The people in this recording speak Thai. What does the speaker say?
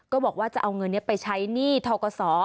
บอกว่าจะเอาเงินนี้ไปใช้หนี้ทกศ